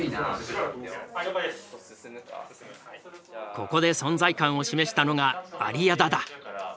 ここで存在感を示したのが有屋田だ。